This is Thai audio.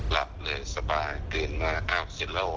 หลับเลยสบายตื่นมาอ้าวเสียงเราวะ